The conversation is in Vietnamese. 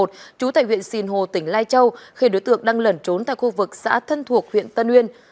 trú tại huyện sìn hồ tỉnh lai châu khi đối tượng đang lẩn trốn tại khu vực xã thân thuộc huyện tân uyên